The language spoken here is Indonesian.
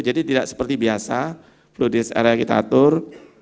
jadi tidak seperti biasa flow list area kita atur